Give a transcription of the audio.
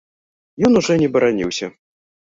Ён ужо не бараніўся.